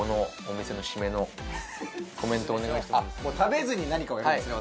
食べずに何かをやるんですね